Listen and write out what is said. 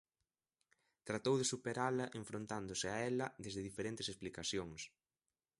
Tratou de superala enfrontándose a ela desde diferentes explicacións: